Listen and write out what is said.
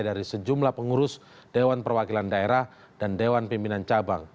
dari sejumlah pengurus dewan perwakilan daerah dan dewan pimpinan cabang